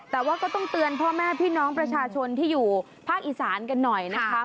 แต่ว่าก็ต้องเตือนพ่อแม่พี่น้องประชาชนที่อยู่ภาคอีสานกันหน่อยนะคะ